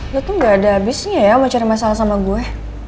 ya tuh gak ada habisnya ya mau cari masalah sama gue